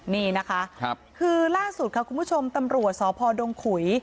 นี่นะคะคือล่าสุดค่ะคุณผู้ชมตำรวจสพดงขุย